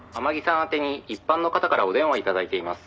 宛てに一般の方からお電話頂いています」